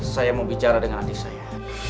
saya mau bicara dengan adisa ya